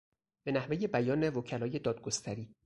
به نحوهی بیان وکلای دادگستری